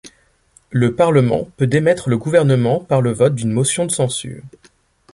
Le Parlement peut démettre le gouvernement par le vote d'une motion de censure.